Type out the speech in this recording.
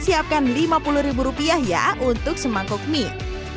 siapkan lima puluh ribu rupiah ya untuk semangkuk mie